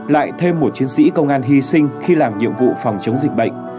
lại thêm một chiến sĩ công an hy sinh khi làm nhiệm vụ phòng chống dịch bệnh